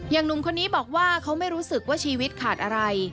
หนุ่มคนนี้บอกว่าเขาไม่รู้สึกว่าชีวิตขาดอะไร